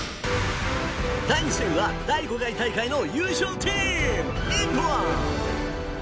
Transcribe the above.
第２戦は、第５回大会の優勝チーム、イングランド。